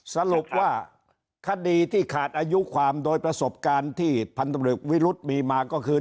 สรุปว่าคดีที่ขาดอายุความโดยประสบการณ์ที่พันธบริกวิรุธมีมาก็คือ